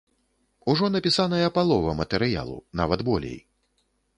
Ужо напісаная палова матэрыялу, нават, болей.